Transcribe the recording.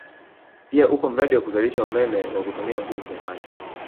Pia upo mradi wa kuzalisha umeme wa kutumia nguvu za maji